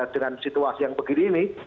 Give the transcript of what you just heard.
dengan situasi yang begini ini